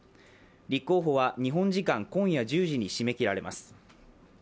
立候補は日本時間今夜１０時に締め切られます。